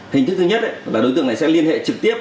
hình thức thứ nhất là đối tượng này sẽ liên hệ trực tiếp